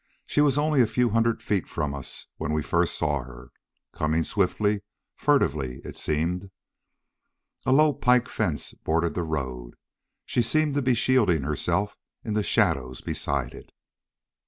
She was only a few hundred feet from us when we first saw her, coming swiftly, furtively it seemed. A low pike fence bordered the road. She seemed to be shielding herself in the shadows beside it.